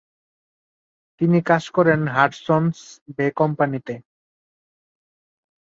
তিনি কাজ করেন হাডসন’স বে কোম্পানিতে।